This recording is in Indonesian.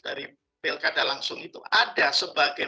dari pilkada langsung itu ada sebagai